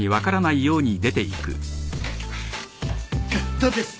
どうです？